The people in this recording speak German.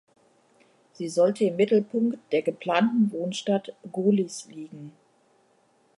Sie sollte im Mittelpunkt der geplanten Wohnstadt Gohlis liegen.